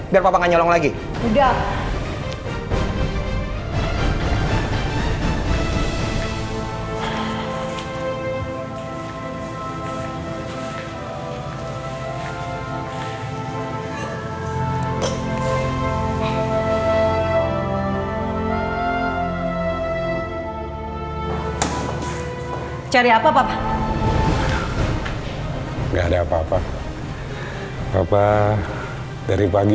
dengan kasihmu ya rabbi